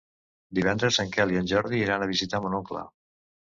Divendres en Quel i en Jordi iran a visitar mon oncle.